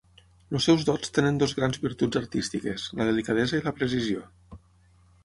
Els seus dots tenen dues grans virtuts artístiques, la delicadesa i la precisió.